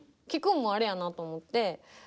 聞くんもあれやなと思って。